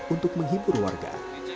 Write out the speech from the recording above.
untuk menghibur warga